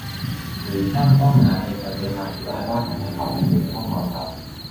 หรือช่างต้องหาเหตุจำเป็นมาอธิบายว่าทำไมเขายังอยู่ในห้องนอนเรา ?